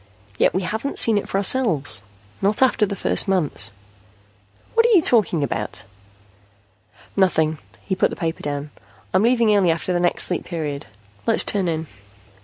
Yet we haven't seen it for ourselves, not after the first months ..." "What are you talking about?" "Nothing." He put the paper down. "I'm leaving early after the next Sleep Period. Let's turn in."